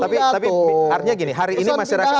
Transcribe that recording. tapi artinya gini